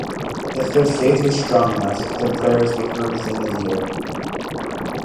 If their faith was strong enough, their prayers were heard within the year.